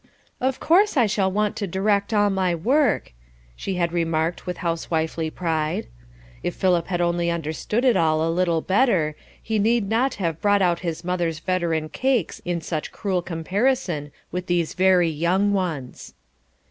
"Of course I shall want to direct all my work," she had remarked with housewifely pride. If Philip had only understood it all a little better, he need not have brought out his mother's veteran cakes in such cruel comparison with these very young ones.